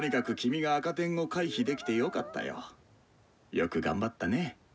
よく頑張ったね。